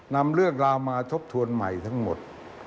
นำเรื่องราวมาทบทวนใหม่ทั้งหมด